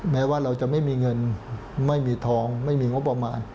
แม้ว่าเราจะไม่มีเงินไม่มีทองไม่มีงบประมาณ